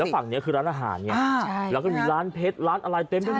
ฝั่งนี้คือร้านอาหารไงแล้วก็มีร้านเพชรร้านอะไรเต็มไปหมด